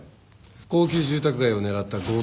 高級住宅街を狙った強盗犯。